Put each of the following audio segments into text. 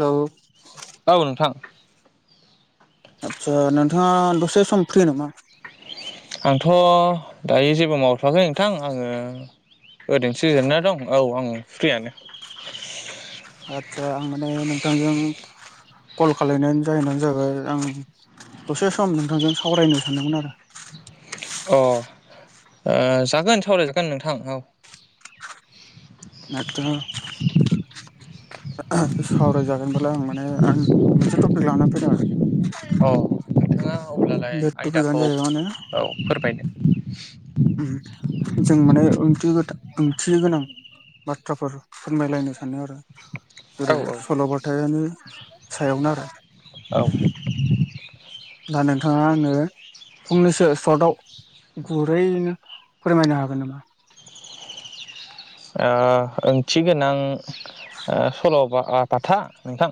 Hello औ नोंथां। आतचा नोंथाङा दसे सम फ्रि नामा? आंथ' दायो जेबो मावथ'वाखै नोंथां आङो ओरैनोसो जिरना दं औ आं फ्रियानो आदसा आं माने नोंथांजों कल खालायनायननि जाहोनानो जाबाय आं दसे सम नोंथांजों सावरायनो सानदोंमोन आरो [inaudible] अ ओ जागोन सावरायजागोन नोंथां औ। [unintelligible] सावराय जागोनबालाय आं माने आं मोनसे टपिक लानानै फैदों आरो औ नोंथाङा अब्लालाय बे आयदाखौ टपिकआनो जाहैबाय माने औ फोरमायनो जों माने ओंथि ओंथि गोनां बाथ्राफोर फोरमायलायनो सानो आरो औ जेरै सल'बथायानो सायावनो आरो औ दा नोंथाङा आंनो फंनैसो सर्टआव गुरैनो फोरमायनो हागोन नामा ओंथि गोनां सल'बा बाथा नोंथां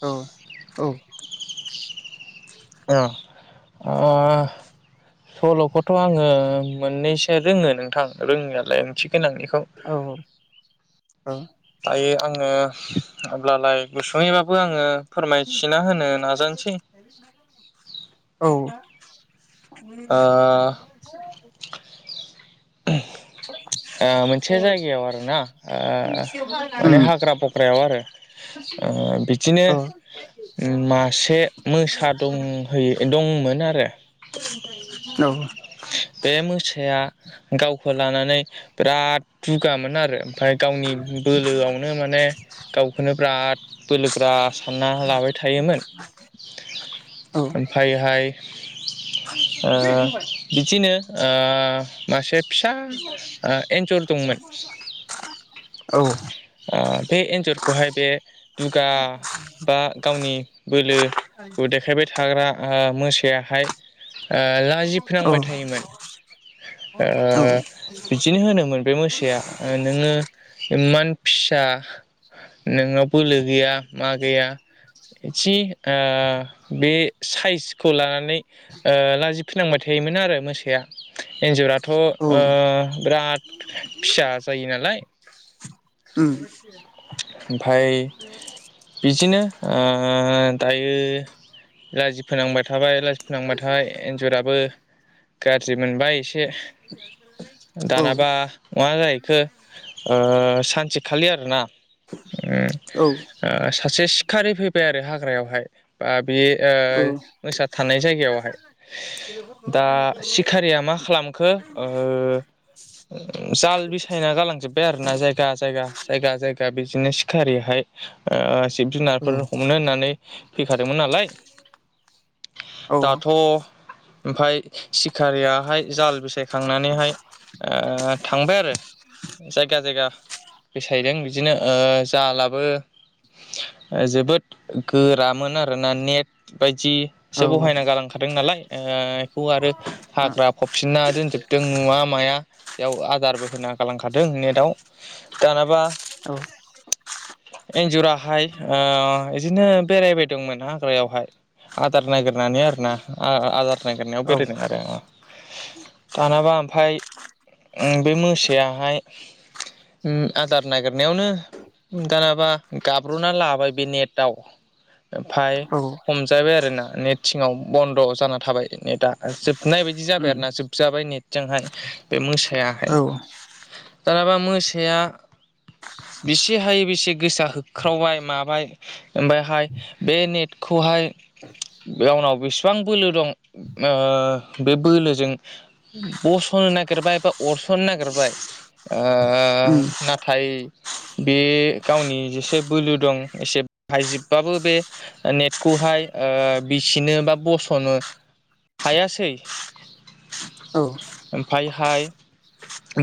औ औ अह अह सल'खौथ' आंङो मोननैसो रोंङो नोंथां रोंङियालाय गोनां बेखौ औ दायो आंङो अब्लालाय गुसुंङैबाबो आंङो फोरमायथिना होनो नाजानोसै औ औ ओ [unintelligible] [unintelligible] ओ मोनसे जायगायाव आर ना उम औ उम औ उम औ उम औ माने हाग्रा फख्रायाव आरो बिदिनो मासे मोसा दंहैयो दं दंमोन आरो औ। बे मोसाया गावखौ लानानै बिराद दुगामोन आरो आरो ओमफ्राय गावनि बोलोआवनो माने गावखौनो लाबाय थायोमोन [inaudible] ओमफ्रायहाय ओ [inaudible] बिदिनो मासे फिसा एन्जर दंमोन बे एन्जरखौहाय बे दुगा बा गावनि बोलो देखायबाय थाग्रा मोसायाहाय लाजि फोनांबाय थायोमोन बिदिनो होनोमोन बे मोसाया नोंङो इमान फिसा नोंनाव बोलो गैया मा गैया इदि ओ बे साइसखौ लानानै ओ लाजिफोनांबाय थायोमोन आरो मोसाया एन्जराथ' ओ बिराद फिसा जायो नालाय ओमफाय बिदिनो ओ दायो लाजि फोनांबाय थाबाय नांबाथाय एन्जराबो गाज्रि मोनबाय एसे दानाबा मा जाहैखो ओ सानसेखालि आरोना ओ सासे सिखारि फैयो आरो हाग्रायावहाय बा बे ओ मोसा थानाय जायगायावहाय दा सिखारिया मा खालामो नोंखो ओ जाल बिसायना गालांजोबाय आरो ना जायगा जायगा जायगा जायगा बिदिनो सिखारिहाय जिब जुनारफोर हमनो होननानै फैखादोंमोन नालाय औ दाथ' ओमफाय सिखारियाहाय जाल बिसायखांनानैहाय ओ थांबाय आरो जायगा जायगा बेसायदों बिदिनो ओ जालाबो जोबोद गोरामोन आरो ना नेट बायदि बिदिसो बहायना गालांखादों नालाय बेखौ आरो औ औ हाग्रा फबसिनना दोनजोबदों नुवा माया बेयाव आदारबो होना गालांखादों नेदाव दानाबा एन्जुराहाय ओ इदिनो बेरायबायदोंमोन हाग्रायावहाय। आदार नागिरनानै आरोना आ आदार नागिरनायाव बेरायदों आरो ओ। दानाबा ओमफाय उ बे मोसायाहाय ओम आदार नागिरनायावनो दानाबा गाब्र'नान लाबाय बे नेटआव। ओमफाय हमजाबाय आरो ना नेट सिंङाव बन्द' जाना थाबाय नेटआ जोब नाय बायदि जाबाय आरो ना जोबजाबाय नेटजोंहाय बे मोसाया। औ दानाबा मोसाया बेसे हायो बेसे गोसा होख्रावबाय माबाय ओमफायहाय बे नेटखौ बहाय बे उनाव बेसेबां बोलो दं ओ बे बोलोजों बस' नो नागिरबाय बा अरस'नो नागिरबाय ओ नाथाय बे गावनि जेसे बोलो दं एसे बाहायजोबबाबो बे नेटखौहाय ओ बिसिनो बा बस'नो हायासै। ओमफायहाय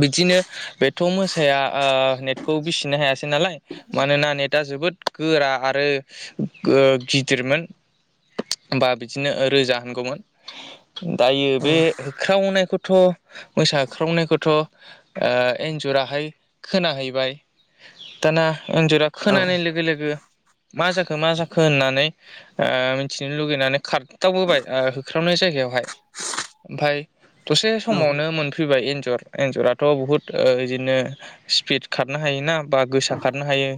बिदिनो बेथ' मोसा या ओ नेटखौ बिसिनो हायासै नालाय मानोना नेटा जोबोद गोरा आरो ओ गिदिरमोन। बा बिदिनो ओ रोजा होनगौमोन दायो बे होख्रावनायखौथ' मोसा होख्रावनायखौथ' ओ एन्जराहाय खोनाहैबाय दाना एन्जरा खोनानाय लोगो लोगो मा जाखो मा जाखो होननानै ओ मिनथिनो लुगैनानै खारथावबोबाय ओ होख्रावनाय जायगायाव। बेवहाय ओमफाय दसे समावनो मोनफैबाय एन्जर एन्जराथ' बहुत ओ बिदिनो स्पिड खारनो हायोना बा गोसा खारनो हायो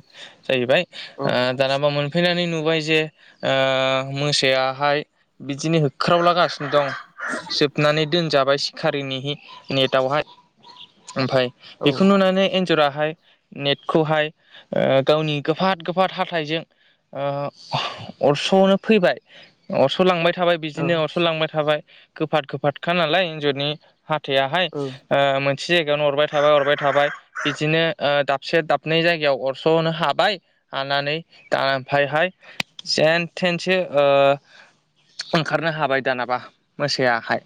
जाहैबाय ओ दानाबा मोनफैनानै नुबाय जे ओ मोसायाहाय बिदिनो होख्रावलागासिनो दं। जोबनानै दोनजाबाय सिखारिनिहि नेटावहाय ओमफाय बेखौ नुनानै एन्जराहाय नेटखौहाय ओ गावनि गोफाद गोफाद हाथाइजों ओ अरस'नो फैबाय अरस' लांबाय थाबाय बिदिनो अरस'लांबाय थाबाय गोफाद गोफादखा नालाय एन्जरनि हाथाइयाहाय ओ मोनसे जायगायावनो अरबाय थाबाय अरबाय थाबाय बिदिनो ओ दाबसे दाबनै जायगायाव अरस'नो हाबाय हानानै दा ओमफायहाय जेन थेनसो ओ ओंखारनो हाबाय दानाबा मोसायाहाय।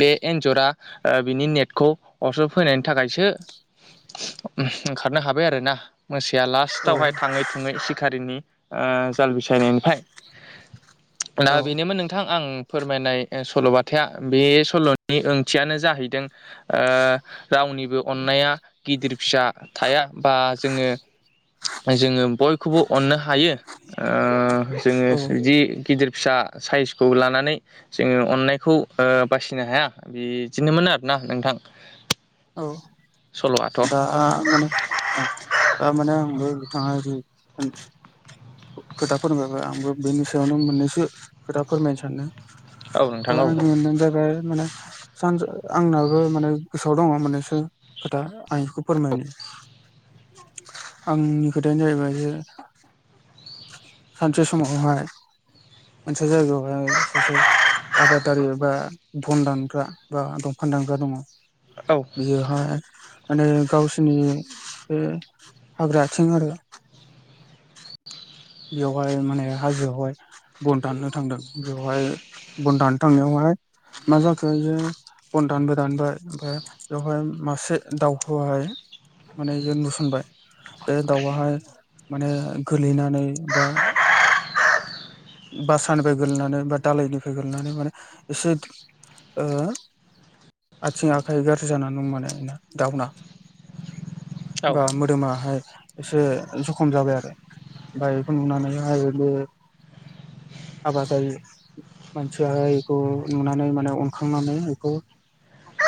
बे एनजरा ओ बिनि नेटखौ अरस फैनायनि थाखायसो ओंखारनो हाबाय आरो ना मोसाया लासथावहाय थाङै थुङै सिख खारिनि ओ जाल बिसायनायनिफ्राय दा बेनोमोन नोंथां आं फोरमायनाय ओ सल'बाथाया बे सल'नि ओंथियानो जाहैदों ओ गावनि अननाया गिदिर फिसा थाया बा जोङो जोङो बयखौबो अननो हायो ओ जोङो बिदि गिदिर फिसा साइसखौ लानानै जोङो अननायखौ ओ बासिनो हाया बिदिनोमोन आरोना। नोंथां। औ सल'आथ' दा माने औ दा माने आंबो [inaudible] खोथा फोरमायबाय आंबो बेनि सायावनो मोननैसो खोथा फोरमायनो सानदों। औ दा नोंथां औ आंनि [inaudible] जाबाय माने सानस आंनाबो माने सोआव दङ मोनैसो खोथा आं बेखौ फोरमायनि। आंनि खोथायानो जाहैबाय जे सानसे समावहाय मोनसे जायगायावहाय सासे आबादारि बा बन दानग्रा बा दंफां दानग्रा दङ औ बियोहाय माने गावसोरनि बे हाग्रा आथिं आरो बेवहाय माने हाजोआवहाय बन दाननो थांदों बेवहाय बन दाननो थांनायावहाय मा जाखो बेयो बन दानबाय दानबाय ओमफ्राय बेयावहाय मासे दाउ हाय माने इयो नुसनबाय बे दाउवाहाय माने गोलैनानै बा बासानिफ्राय गोलैनानै बा दाालायनिफ्राय गोगलैनानै माने एसे ओ आथिं आखाइ गाज्रि जानानानै दं माने दावना औ बा मोदोमाहाय एसे जखम जाबाय आरो बाय बेखौ नुनानैहाय बे आबादारि मानसिया एखौ नुनानै माने अनखांनानै एखौ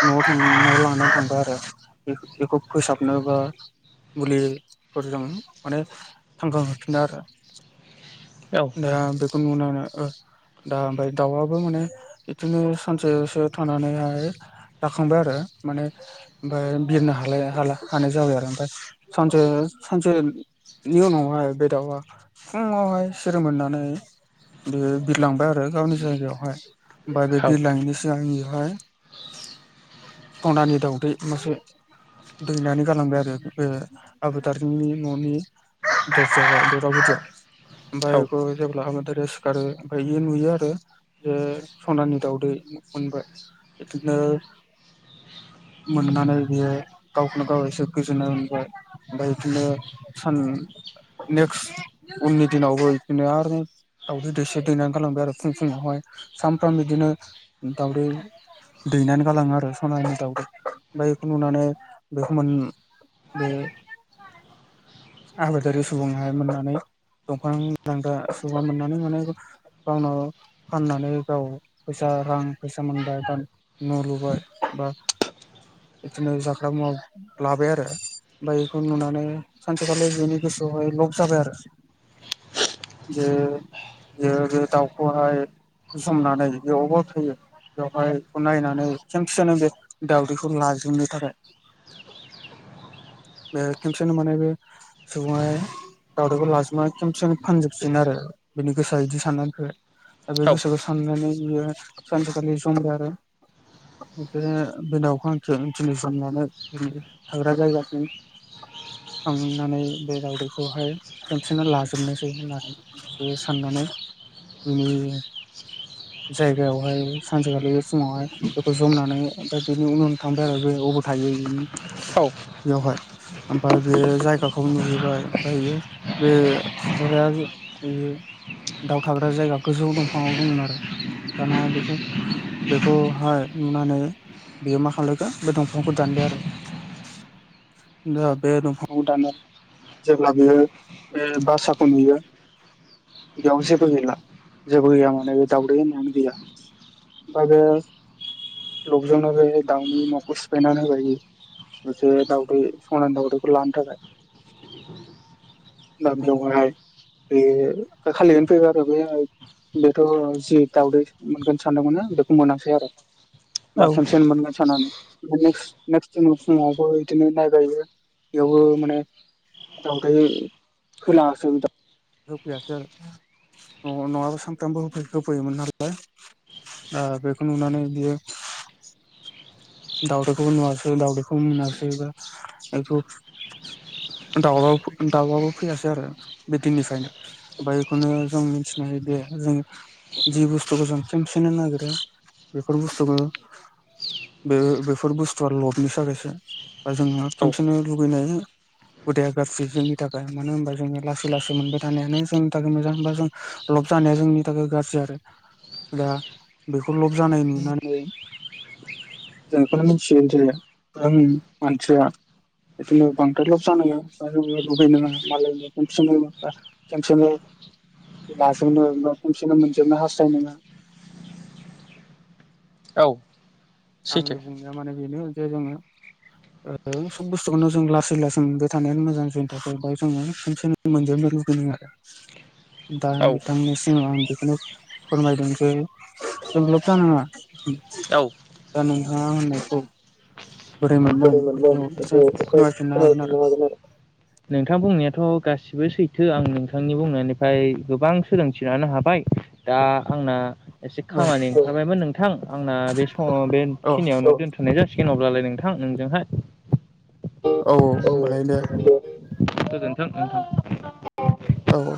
न'आव थां न'आव लांनानै थांबाय आरो बेखौ बेखौ फोसाबनोबा मुलिफोरजों माने थांखां होफिनो आरो औ दा बेखौ नुनानै ओ दा ओमफाय दाउआबो माने इदिनो सानसेसो थानानैहाय राखांबाय आरो माने ओमफाय बिरनो हालाया हाला हानाय जाबाय आरो ओमफाय सानसे सानसे बिनि उनावहाय बे दाउआ फुङाव हाय जों मोननानै बेयो बिरलांबाय आरो गावनि जायगायावहाय ओमबाय बे बिरलाङिनि सिगांनि हाय सनानि दाउदै मासे दैनानै गालांबाय आरो बे आबादारिनि न'नि दरजायावहाय दरजागुदियाव औ ओमफाय बेखौ जेब्ला हाबादारिया सिखारो ओमफाय इयो नुयो आरो जे सनानि दाउदै मोनबाय इदिनो मोननानै बियो गावखौनो गाव एसे गोजोननाय मोनबाय ओमफाय बिदिनो सान नेक्स्ट उननि दिनावबो बिदिनो आरो दावदै दैसे दैनानै गालांबाय आरो फुं फुङावहाय सानफ्राम बिदिनो दाउदै दैनानै गालाङो आरो सनानि दाउखौ ओमफाय बेखौ नुनानै बेखौ मोन बे आबादारि सुबुंङा मोननानै दंफां दानग्रा सुबुङा मोननानै माने गावनो फाननानै गाव फैसा रां फैसा मोनबाय बा न' लुबाय बा बिदिनो जाग्रा मुवा लाबाय आरो ओमफाय इखौ नुनानै सानसेखालि बेनि गोसोआवहाय लब जाबाय आरो जे बेयो बे दाउखौहाय जोमनानै बेयाव ग्रामों बेवहायखौ नायनानै खोनसेनो बे दावदैखौ लाजोबनो थाखाय बे खेमसेनो माने बे सुबुङाहाय दावउदैखौ लाजोबना खेबसेनो फानजोबसिगोन आरो बिनि गोसोआ इदि साननानैख दा बे गोसोखौ साननानै बियो सानसेखालि जंबाय आरो बिदि बे दाउखौ आंखि दिनै जोमनानै बि थाग्रा जायगासिम [inaudible] थांनानै बे दावदैखौहाय खोमसिना लाजोबनोसै होननानै बेयो साननानै बे जायगायावहाय सानसेखालि फुङावहाय बेखौ जमनानै दा बेनि उन उन थांबाय आरो बे अबाव थायो इनि औ अहाय ओमफाय बे जायगाखौ नुहैबाय ओमफाय इयो बे हाबाया बेयो दाउ थाग्रा जायगा गोजौ दंफाङाव दंमोन आरो दाना बेखौ बेखौहाय नुनानै बेयो मा खालायखो बे दंफांखौ दानबाय आरो दा बे दंफां खौ दानो जेब्ला बियो बे बासाखौ नुयो बेयाव जेबो गैला जेबो गैया माने दाउदै होननायानो गैया बा बे लफजोंनो बे दाउनि न'खौ सिफायनानै होबाय बियो मोनसे दाउदै स'नानि दाउदैखौ लानो थाखाय दा बेवहाय बे खालिनो फैबाय आरो बे बेथ' जि दावदै मोनगोन सानदोंमोनना बेखौ मोनासै आरो औ बा सानसेनो मोनगोन साननानै बे नेक्स्ट नेकस्ट दिनाव फुङावबो इदिनो नायबाय बियो बेयावबो माने दावदै होलाङासै [unintelligible] होफैयासै आरो नङा नङाबा सानफ्रामबो होफै-होफैयोमोन नालाय ओ बेखौ नुनानै बियो दाउदैखौबो नुवासै दाउदैखौबो मोनासै बा [unintelligible] दाउआ दाउआबो फैयासै आरो बे दिननिफ्रायनो ओमफ्राय बेखौनो जों मिथिनो जे जों जि बुस्थुखौ जों खेनसेनो नागिरो बेफोर बुस्थुखौ बे बेफोर बुस्थुआ लबनि थाखायसो बा जोङो खेनसेनो लुगैनाय हुदाया गाब्रि जोंनि थाखाय मानो होनबा जोङो लासै लासै मोनबाय थानायानो जोंनि थाखाय मोजां होनबा जों लब जा नाया जोंनि थाखाय गाज्रि आरो दा बेखौ लब जानाय नुनानै जों बेखौनो मिथियो जे [unintelligible] मानसिया बिदिनो बांद्राय लस जानाङा बा जोङो लुबैनाङा मालायनि [unintelligible] बे लाजोबनो बा खनसेनो मोनजोबनो हास्थाय नाङा औ सैथो आंनि बुंनाया माने बेनो जे जोङो ओ सब बुस्थुखौनो जों लासै लासै मोनबाय थानायानो मोजां जोंनि थाखाय बा जोङो खनसेनो मोनजोबनो [unintelligible] दा औ बिथांनि सिमाव आं बेखौनो फोरमायदों जे जों लब जानाङा औ दा नोंथाङा आंनो [unintelligible] हागोन आरो नोंथां बुंनाया थ' गासिबो सैथो आं नोंथांनि बुंनायनिफ्राय गोबां सोलोंथि लानो हाबाय दा आंना एसे औ खामानि ओंखारबायमोन नोंथां आंना बे समाव औ बेखिनियावनो दोनथ'नाय जासिगोन अब्लालाय नोंथां नोंजोंहाय औ होमबालाय दे गोजोनथों नोंथां औ औ